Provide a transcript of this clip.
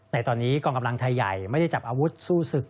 ในตอนนี้กองกำลังไทยใหญ่ไม่ได้จับอาวุธสู้ศึก